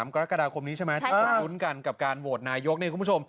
กรกฎาคมนี้ใช่ไหมที่จะลุ้นกันกับการโหวตนายกเนี่ยคุณผู้ชม